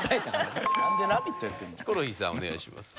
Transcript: ヒコロヒーさんお願いします。